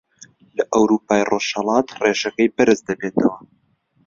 لە ئەورووپای ڕۆژهەڵات ڕێژەکەی بەرز دەبێتەوە